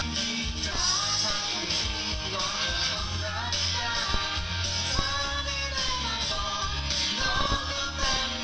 พี่จะทำให้เราทั้งความรักกัน